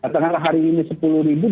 tengah hari ini sepuluh ribu